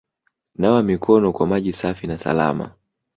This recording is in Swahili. Nawa mikono kwa maji safi na salama